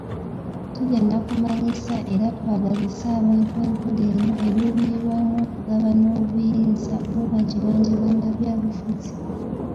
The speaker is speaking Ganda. Tugenda kumanyisa era twagazise abantu enkola eno eruubirirwamu okugabana obuyinza, bo bagibanje bannabyabufuzi.